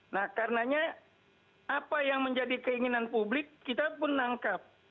nah karenanya apa yang menjadi keinginan publik kita pun nangkap